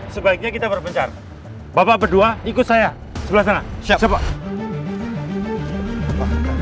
sebaiknya kita berpencar bapak berdua ikut saya sebelah sana siap siapa